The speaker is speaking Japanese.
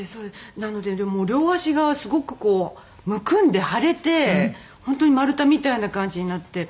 なので両足がすごくこうむくんで腫れて本当に丸太みたいな感じになって。